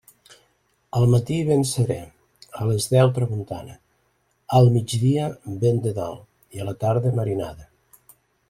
Al matí, vent serè; a les deu, tramuntana; al migdia, vent de dalt; i a la tarda, marinada.